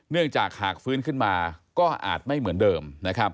เนื่องจากหากฟื้นขึ้นมาก็อาจไม่เหมือนเดิมนะครับ